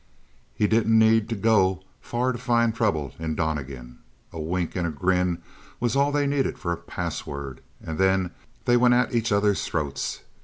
"He didn't need to go far to find trouble in Donnegan. A wink and a grin was all they needed for a password, and then they went at each other's throats.